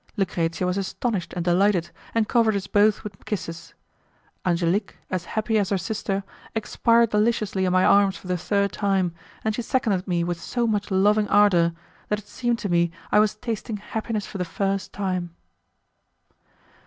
Lucrezia was astonished and delighted, and covered us both with kisses. Angelique, as happy as her sister, expired deliciously in my arms for the third time, and she seconded me with so much loving ardour, that it seemed to me I was tasting happiness for the first time.